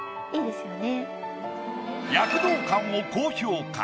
躍動感を高評価。